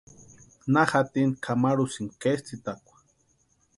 ¿Na jatini kʼamarhusïni ketsʼïtakwa?